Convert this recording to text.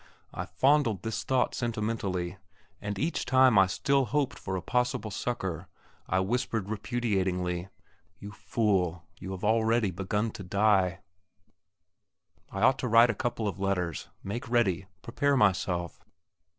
I fondled this thought sentimentally, and each time I still hoped for a possible succour I whispered repudiatingly: "You fool, you have already begun to die." I ought to write a couple of letters, make all ready prepare myself.